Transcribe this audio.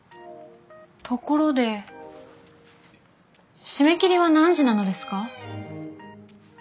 ところで締め切りは何時なのですか？